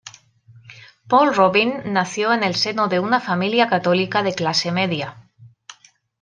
Paul Robin nació en el seno de una familia católica de clase media.